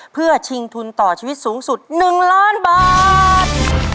เพื่อชิงทุนต่อชีวิตสูงสุด๑ล้านบาท